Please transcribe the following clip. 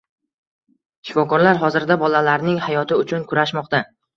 Shifokorlar hozirda bolalarning hayoti uchun kurashmoqda